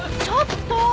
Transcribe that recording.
ちょっと！